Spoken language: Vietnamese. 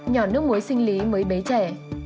nhỏ nước muối sinh lý mới bế trẻ